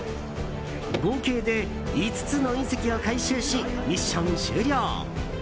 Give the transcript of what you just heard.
合計で５つの隕石を回収しミッション終了。